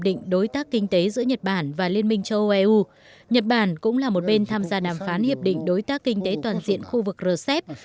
liên minh châu âu eu nhật bản cũng là một bên tham gia đàm phán hiệp định đối tác kinh tế toàn diện khu vực rcep